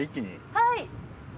はい。